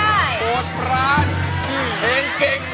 โดดปรานเพลงเก่ง